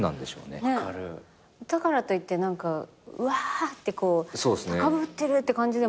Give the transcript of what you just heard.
だからといってうわって高ぶってるって感じでもなくて。